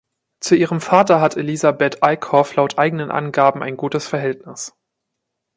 Zu ihrem Vater hat Elisabeth Eyckhoff laut eigenen Angaben ein gutes Verhältnis.